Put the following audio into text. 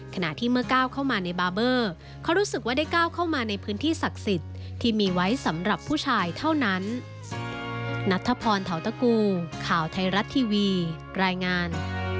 ขณะที่เมื่อก้าวเข้ามาในบาร์เบอร์เขารู้สึกว่าได้ก้าวเข้ามาในพื้นที่ศักดิ์สิทธิ์ที่มีไว้สำหรับผู้ชายเท่านั้น